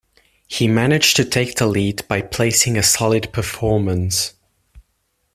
He managed to take the lead by placing a solid performance.